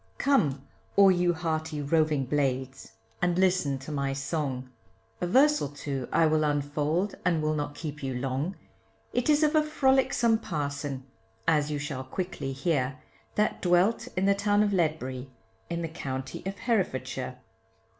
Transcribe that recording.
Come all you hearty roving blades, and listen to my song, A verse or two I will unfold, and will not keep you long, It is of a frolicsome parson, as you shall quickly hear, That dwelt in the town of Ledbury, in the county of Herefordshire.